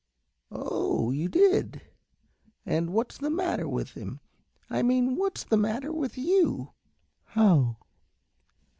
'" "Oh, you did? and what's the matter with him I mean what's the matter with you?" "How?"